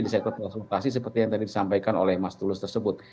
di sektor transportasi seperti yang tadi disampaikan oleh mas tulus tersebut